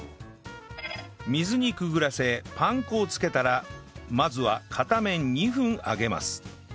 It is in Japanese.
水にくぐらせパン粉をつけたらまずは片面２分揚げます